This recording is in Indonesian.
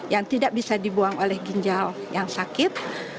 yang tidak bisa dibuang oleh ginjal yang sakit